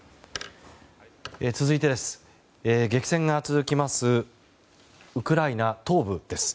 続いて、激戦が続くウクライナ東部です。